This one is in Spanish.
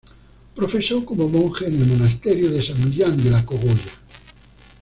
Profesó como monje en el monasterio de San Millán de la Cogolla.